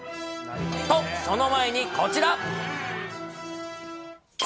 と、その前にこちら。